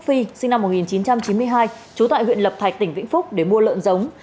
phi sinh năm một nghìn chín trăm chín mươi hai trú tại huyện lập thạch tỉnh vĩnh phúc để mua lợn giống